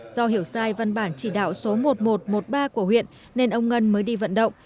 do hiểu sai văn bản chỉ đạo số một nghìn một trăm một mươi ba của huyện nên ông ngân mới đi vận động